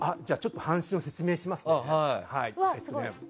「半神」を説明しますね。